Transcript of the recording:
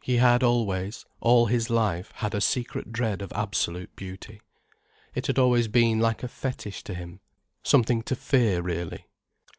He had always, all his life, had a secret dread of Absolute Beauty. It had always been like a fetish to him, something to fear, really.